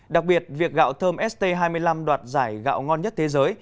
đặc biệt việc gạo thơm st hai mươi năm đoạt giải gạo ngon nhất thế giới